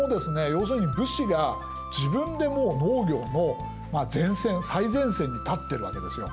要するに武士が自分でもう農業の前線最前線に立ってるわけですよ。